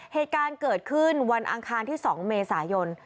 เหตุการณ์เกิดขึ้นวันอังคารที่๒เมษายน